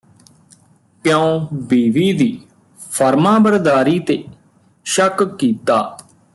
ਕਿਉਂ ਬੀਵੀ ਦੀ ਫ਼ਰਮਾਂਬਰਦਾਰੀ ਤੇ ਸ਼ੱਕ ਕੀਤਾ